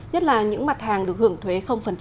nhất là những mặt hàng được hưởng thuế